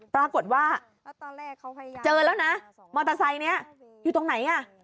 ปรากฏว่าเจอแล้วนะมอเตอร์ไซค์นี้อยู่ตรงไหนอ่ะ